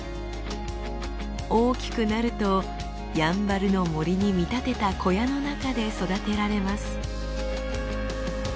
大きくなるとやんばるの森に見立てた小屋の中で育てられます。